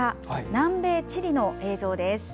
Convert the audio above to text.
南米・チリの映像です。